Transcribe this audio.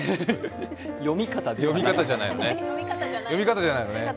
読み方じゃないのね？